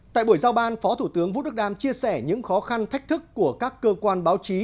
tại buổi giao ban phó thủ tướng vũ đức đam chia sẻ những khó khăn thách thức của các cơ quan báo chí